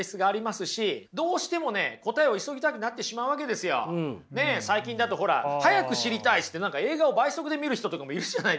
でもね最近だとほら早く知りたいっつって映画を倍速で見る人とかもいるじゃないですか。